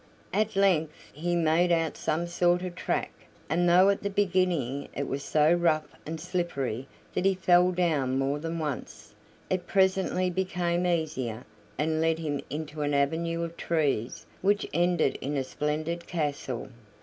At length he made out some sort of track, and though at the beginning it was so rough and slippery that he fell down more than once, it presently became easier, and led him into an avenue of trees which ended in a splendid castle.